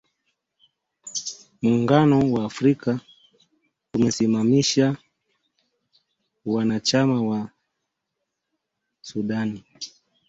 Muungano wa Afrika umesimamisha uanachama wa Sudan.